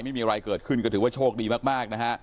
ไม่มีอะไรเกิดขึ้นก็ถือว่าโชคดีมากนะฮะ